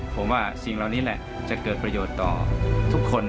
ผมว่าสิ่งเหล่านี้แหละจะเกิดประโยชน์ต่อทุกคน